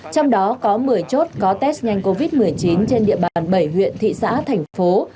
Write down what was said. trong đó có một mươi chốt có test nhanh covid một mươi chín trên địa bàn bảy huyện thị xã thành phố